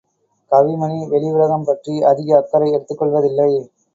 கவிமணி வெளி உலகம் பற்றி அதிக அக்கறை எடுத்துக் கொள்வதில்லை.